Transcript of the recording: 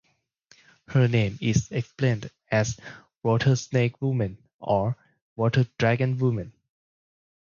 Her name is explained as "water snake woman" or "water dragon woman".